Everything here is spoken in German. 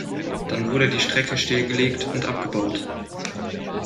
Dann wurde die Strecke stillgelegt und abgebaut.